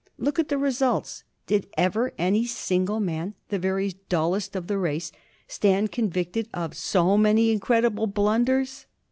Look at the results. Did ever any single man, the very dullest of the race, stand convicted of so many incredible blunders?